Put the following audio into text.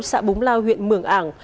xã búng lao huyện mường ảng